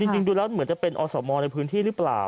ดูแล้วเหมือนจะเป็นอสมในพื้นที่หรือเปล่า